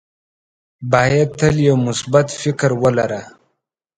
باید تل یو مثبت فکر ولره.